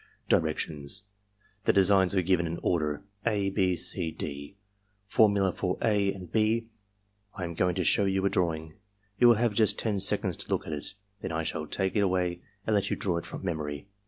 Directions, — The designs are given in order, (a), (6), (c), (d). Formula for (a) and (6): "/ am going to show you a drawing. You will have just ten seconds to look at it; then I shall take it away and let you draw it from memory.